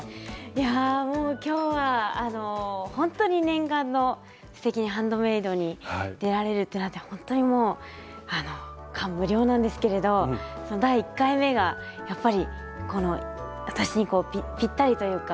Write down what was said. いやもう今日はあの本当に念願の「すてきにハンドメイド」に出られるってなってほんとにもうあの感無量なんですけれどその第１回目がやっぱりこの私にぴったりというか。